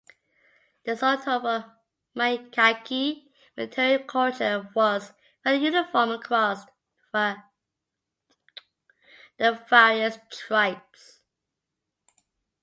The Saltovo-Maykaki material culture was "fairly uniform" across the various tribes.